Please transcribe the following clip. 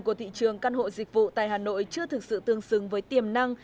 của thị trường căn hộ dịch vụ tại hà nội chưa thực sự tương xứng với tiềm năng